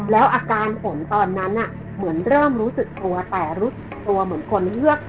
แล้วอาการฝนตอนนั้นเหมือนเริ่มรู้สึกกลัวแต่รู้สึกตัวเหมือนคนเลือก